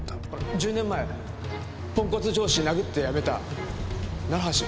１０年前ポンコツ上司殴って辞めた橋？